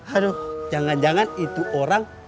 aduh jangan jangan itu orang